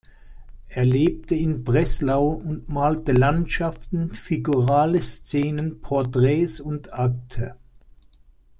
Er lebte in Breslau und malte Landschaften, figurale Szenen, Porträts und Akte.